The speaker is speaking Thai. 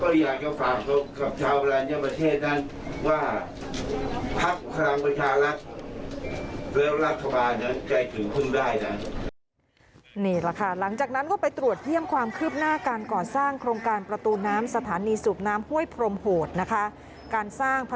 และกับชาวอรัญญาประเทศนั้นว่าพักพลังประชารัฐ